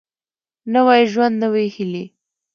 نوی ژوند نوي هېلې